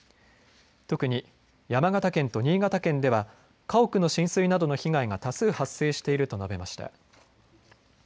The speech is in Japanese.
特に山形県と新潟県では家屋の浸水などの被害が多数発生していると述べました。